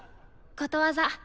ことわざ。